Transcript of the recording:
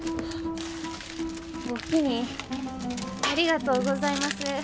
ありがとうございます。